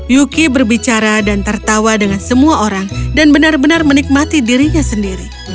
yuki berbicara dan tertawa dengan semua orang dan benar benar menikmati dirinya sendiri